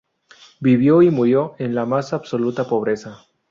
Vivió y murió en la más absoluta pobreza.